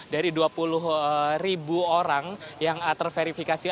dari dua puluh ribu orang yang terverifikasi